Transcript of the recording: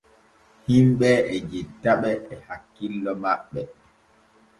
Himɓe e jettaɓe e hakkillo maɓɓe.